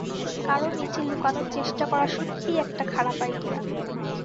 কারও নিচে লুকানোর চেষ্টা করা সত্যিই একটা খারাপ আইডিয়া।